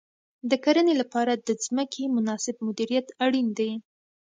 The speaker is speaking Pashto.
د کرنې لپاره د ځمکې مناسب مدیریت اړین دی.